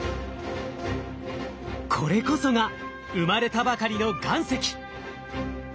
これこそが生まれたばかりの岩石。